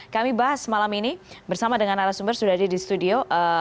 kami bahas malam ini bersama dengan narasumber sudah ada di studio